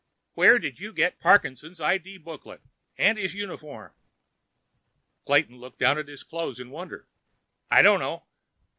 "Where did you get Parkinson's ID booklet? And his uniform?" Clayton looked down at his clothes in wonder. "I don't know."